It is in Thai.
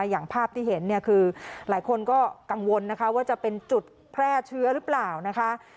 อย่างภาพที่เห็นเนี่ยคือหลายคนก็กังวลนะคะว่าจะเป็นจุดแพร่เชื้อหรือเปล่านะคะ